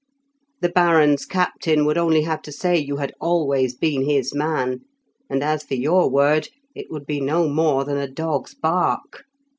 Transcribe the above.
The baron's captain would only have to say you had always been his man; and, as for your word, it would be no more than a dog's bark.